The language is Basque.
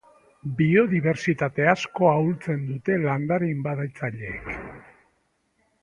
Biodibertsitatea asko ahultzen dute landare inbaditzaileek.